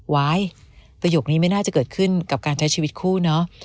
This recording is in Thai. วายประโยคนี้ไม่น่าจะเกิดขึ้นกับการใช้ชีวิตคู่เนอะ